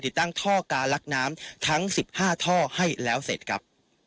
ตั้งท่อการลักน้ำทั้ง๑๕ท่อให้แล้วเสร็จครับ